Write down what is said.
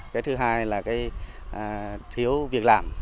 cái thứ hai là cái thiếu việc làm